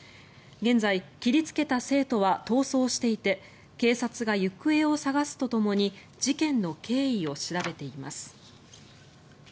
現在切りつけた生徒は逃走していて警察が行方を捜すとともに事件の経緯を調べています。